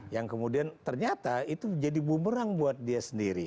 yang kemudian ternyata itu jadi bumerang buat dia sendiri